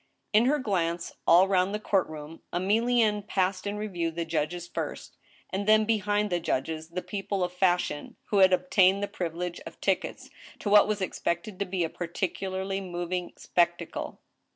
In her glance all round the court room, Emilienne passed in re view the judges first, and then behind the judges the people of fashion, who had obtained the privilege of tickets to what was ex pected to be a particularly moving spectacle.